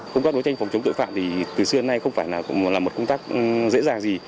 công tác đối tranh phòng chống tội phạm thì từ xưa đến nay không phải là một công tác dễ dàng gì